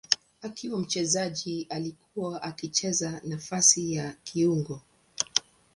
Akiwa mchezaji alikuwa akicheza nafasi ya kiungo.